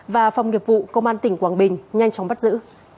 và phòng nghiệp vụ công an tỉnh quảng bình nhanh chóng bắt giữ